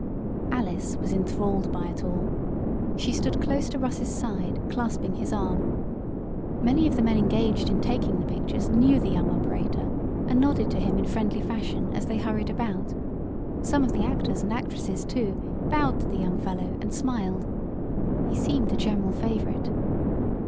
Alice was enthralled by it all. She stood close to Russ's side, clasping his arm. Many of the men engaged in taking the pictures knew the young operator, and nodded to him in friendly fashion, as they hurried about. Some of the actors and actresses, too, bowed to the young fellow and smiled. He seemed a general favorite.